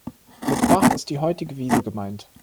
Mit Bach ist die heutige Wiese gemeint.